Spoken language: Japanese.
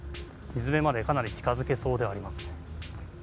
水辺までかなり近づけそうではあります。